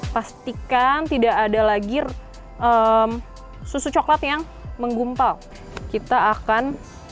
pastikan tidak ada lagi susu coklat yang menggumpal kita akan